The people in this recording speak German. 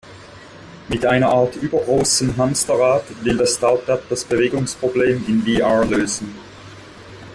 Mit einer Art übergroßem Hamsterrad, will das Startup das Bewegungsproblem in VR lösen.